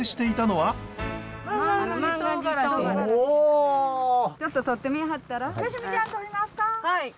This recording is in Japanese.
はい。